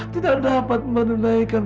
tidak dapat menunaikan